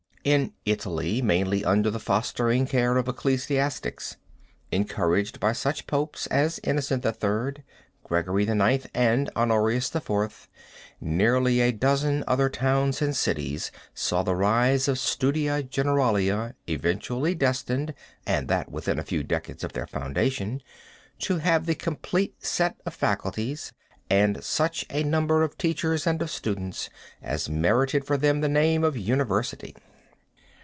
In Italy, mainly under the fostering care of ecclesiastics, encouraged by such Popes as Innocent III, Gregory IX, and Honorius IV, nearly a dozen other towns and cities saw the rise of Studia Generalia eventually destined, and that within a few decades after their foundation, to have the complete set of faculties, and such a number of teachers and of students as merited for them the name of University.